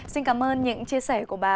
xin cảm ơn những chia sẻ của bà